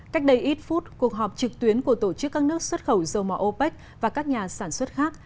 cách đây ít phút cuộc họp trực tuyến của tổ chức các nước xuất khẩu dầu mỏ opec và các nhà sản xuất khác